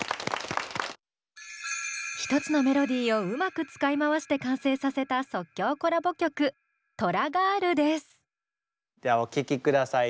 １つのメロディーをうまく使い回して完成させた即興コラボ曲ではお聴きください。